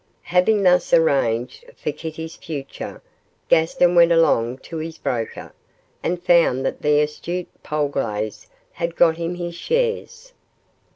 Having thus arranged for Kitty's future, Gaston went along to his broker, and found that the astute Polglaze had got him his shares.